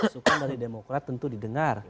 masukan dari demokrat tentu didengar